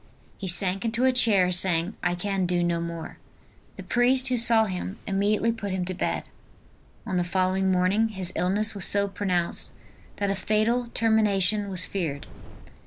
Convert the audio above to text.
He sank into a chair saying: "I can do no more." The priest who saw him, immediately put him to bed. On the following morning his illness was so pronounced that a fatal termination was feared.